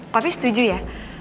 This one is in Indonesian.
papi setuju ya